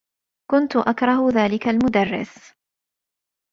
كنت أكره ذلك المدرّس.